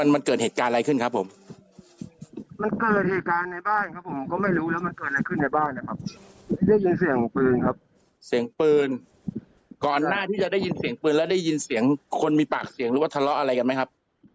มันเกิดเหตุการณ์อะไรขึ้นครับผมมันเกิดเหตุการณ์ในบ้านครับผมก็ไม่รู้แล้วมันเกิดอะไรขึ้นในบ้านนะครับได้ยินเสียงปืนครับเสียงปืนก่อนหน้าที่จะได้ยินเสียงปืนแล้วได้ยินเสียงคนมีปากเสียงหรือว่าทะเลาะอะไรกันไหมครับ